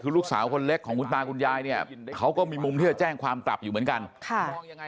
คือลูกสาวคนเล็กของคุณตาคุณยายเนี่ยเขาก็มีมุมที่จะแจ้งความกลับอยู่เหมือนกันค่ะยังไง